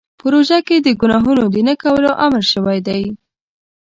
په روژه کې د ګناهونو د نه کولو امر شوی دی.